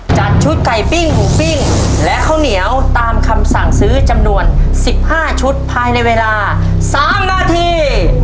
จัดชุดไก่ปิ้งหมูปิ้งและข้าวเหนียวตามคำสั่งซื้อจำนวน๑๕ชุดภายในเวลา๓นาที